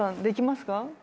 できますか？